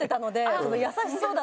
その優しそうだ